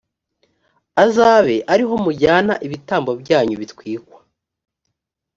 azabe ari ho mujyana ibitambo byanyu bitwikwa,